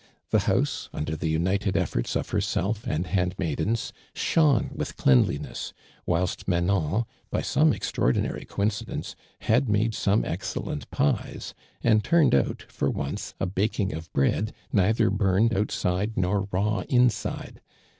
The house, under the united ef forts of herself and handmaidens, shone with cleanliness, whilst Manon, by some extraordinary coincidence, liad matle some excellent pies, and turned out, for once, a baking of bread, neither burned outside, nor raw inside.